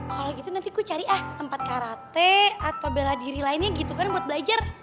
kalau gitu nanti ku cari ah tempat karate atau bela diri lainnya gitu kan buat belajar